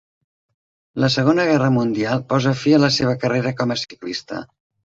La Segona Guerra Mundial posà fi a la seva carrera com a ciclista.